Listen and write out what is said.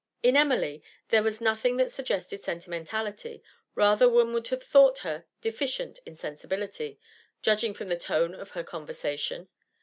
In Emily there was nothing that suggested sentimentality; rather one would have thought her deficient in sensibility, judging from the tone of her conversation.